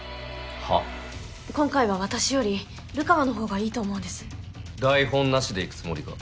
今回は私より流川の方がいいと思うんです台本なしでいくつもりか？